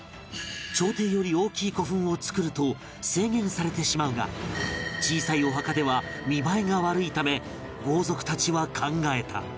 朝廷より大きい古墳を作ると制限されてしまうが小さいお墓では見栄えが悪いため豪族たちは考えた